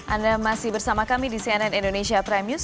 anda masih bersama kami di cnn indonesia prime news